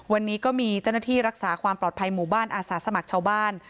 วันนี้ก็มีเจ้าหน้าที่รักษาความปลอดภัยหมู่บ้านอาสาสมัครชาวบ้าน